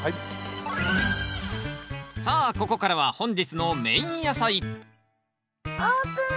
さあここからは本日のメイン野菜オープン！